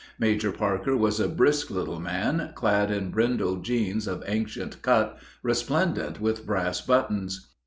Major Parker was a brisk little man, clad in brindle jeans of ancient cut, resplendent with brass buttons.